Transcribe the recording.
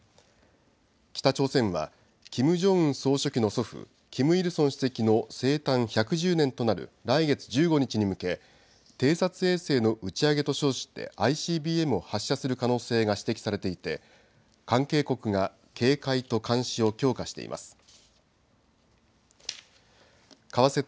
北朝鮮はキム・ジョンウン総書記の祖父、キム・イルソン主席の生誕１１０年となる来月１５日に向け偵察衛星の打ち上げと称してＩＣＢＭを発射する可能性が指摘されていて関係国が警戒と監視を強化しています。